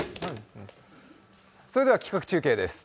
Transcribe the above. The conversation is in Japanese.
それでは企画中継です。